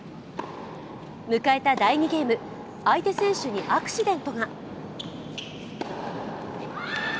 迎えた第２ゲーム、相手選手にアクシデントが。